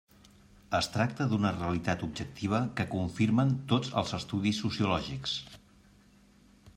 Es tracta d'una realitat objectiva que confirmen tots els estudis sociològics.